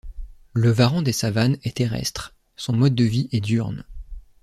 Le varan des savanes est terrestre, son mode de vie est diurne.